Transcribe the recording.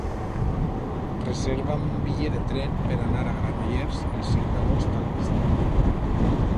Reserva'm un bitllet de tren per anar a Granollers el cinc d'agost al migdia.